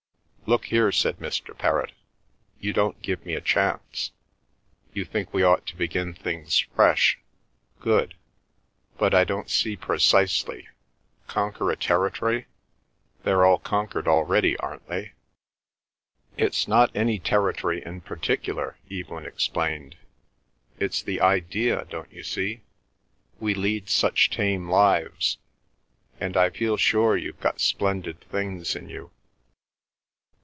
"Look here," said Mr. Perrott, "you don't give me a chance. You think we ought to begin things fresh. Good. But I don't see precisely—conquer a territory? They're all conquered already, aren't they?" "It's not any territory in particular," Evelyn explained. "It's the idea, don't you see? We lead such tame lives. And I feel sure you've got splendid things in you."